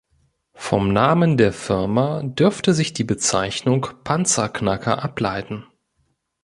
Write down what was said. Vom Namen der Firma dürfte sich die Bezeichnung Panzerknacker ableiten.